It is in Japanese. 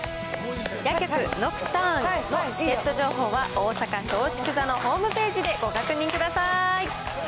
夜曲ノクターンのチケット情報は、大阪松竹座のホームページでご確認ください。